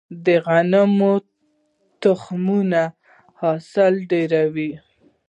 د غنمو نوي تخمونه حاصل ډیروي.